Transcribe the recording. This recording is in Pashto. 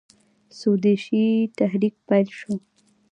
سودیشي تحریک پیل شو.